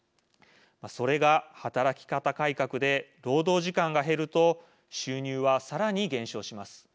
それが働き方改革で労働時間が減ると収入はさらに減少します。